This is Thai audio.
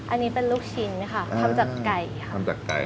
อันนี้เป็นลูกชิ้นค่ะทำจากไก่ค่ะ